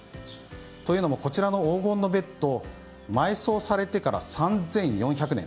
というのも、黄金のベッド埋葬されてから３４００年。